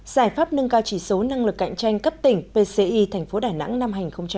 giải pháp nâng cao chỉ số năng lực cạnh tranh cấp tỉnh pci tp đà nẵng năm hai nghìn hai mươi